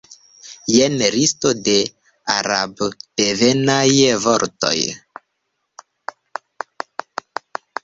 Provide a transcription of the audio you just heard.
Jen listo de arabdevenaj vortoj.